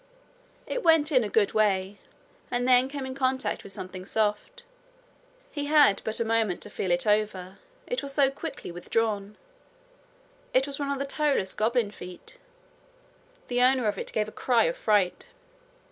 It went in a good way, and then came in contact with something soft. He had but a moment to feel it over, it was so quickly withdrawn: it was one of the toeless goblin feet. The owner of it gave a cry of fright.